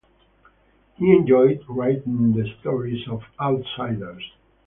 He enjoyed writing the stories of outsiders.